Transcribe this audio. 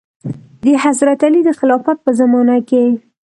د حضرت علي د خلافت په زمانه کې.